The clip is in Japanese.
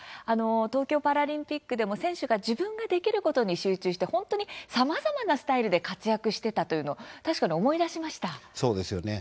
東京パラリンピックでも選手が自分のできることに集中してさまざまなスタイルで活躍していたというのを思い出しました。